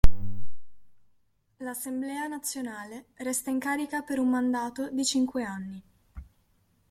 L'Assemblea nazionale resta in carica per un mandato di cinque anni.